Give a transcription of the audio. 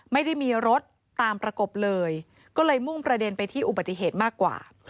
ไม่ได้มีรถตามประกบเลยก็เลยมุ่งประเด็นไปที่อุบัติเหตุมากกว่า